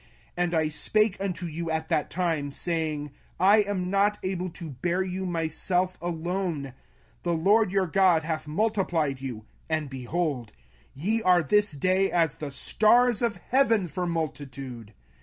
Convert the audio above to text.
05:001:009 And I spake unto you at that time, saying, I am not able to bear you myself alone: 05:001:010 The LORD your God hath multiplied you, and, behold, ye are this day as the stars of heaven for multitude.